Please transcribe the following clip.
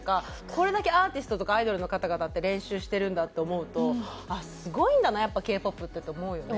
これだけアーティストとかアイドルの方々って練習してるんだって思うとあっすごいんだなやっぱＫ−ＰＯＰって思うよね。